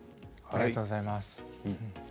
ありがとうございます。